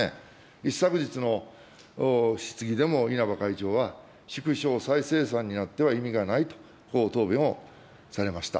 一昨日の質疑でも、稲葉会長は、縮小再生産になっては意味がないと、こう答弁をされました。